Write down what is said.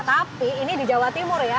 tapi ini di jawa timur ya